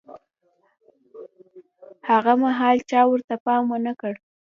هاغه مهال چا ورته پام ونه کړ.